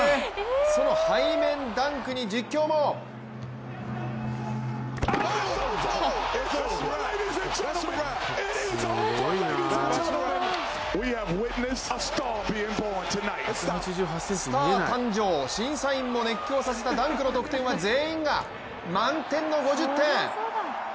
その背面ダンクに実況もスター誕生、審査員も熱狂させたダンクの得点は全員が満点の５０点。